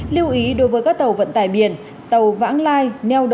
lưu ý đối với các tàu vận tải biển